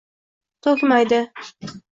To’kmaydi.